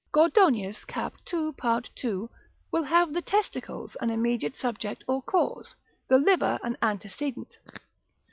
Gordonius, cap. 2. part. 2. will have the testicles an immediate subject or cause, the liver an antecedent.